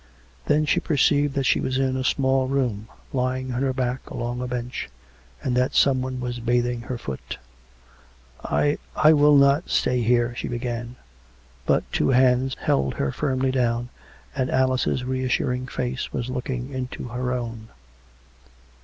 Then she perceived that she was in a small room, lying on her back along a bench, and that someone was bathing her foot. " I ... I will not stay here " she began. But two hands held her firmly down, and Alice's reassuring face was looking into her own.